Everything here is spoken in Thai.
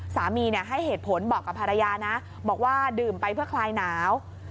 สาเหตุให้เหตุผลบอกกับภรรยานะบอกว่าดื่มไปเพื่อคลายหนาว